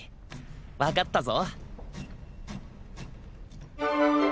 分かったぞ。